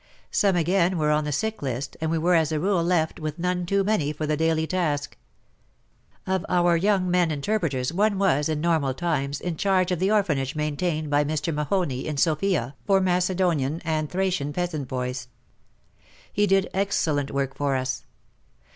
Some again were on the sick list, and we were as a rule left with none too many for the daily task. Of our young men interpreters, one was, in normal times, in charge of the orphanage maintained by Mr. Mahoney, in Sofia, for Macedonian and Thracian peasant boys. He lid excellent work for us.